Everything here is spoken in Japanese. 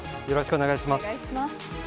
よろしくお願いします。